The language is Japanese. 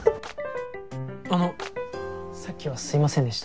あのさっきはすいませんでした。